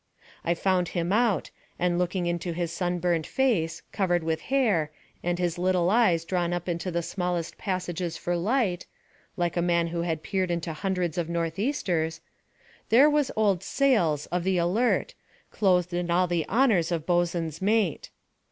I found him out, and, looking into his sunburnt face, covered with hair, and his little eyes drawn up into the smallest passages for light, like a man who had peered into hundreds of northeasters, there was old "Sails" of the Alert, clothed in all the honors of boatswain's mate.